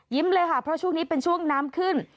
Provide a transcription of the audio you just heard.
เลยค่ะเพราะช่วงนี้เป็นช่วงน้ำขึ้น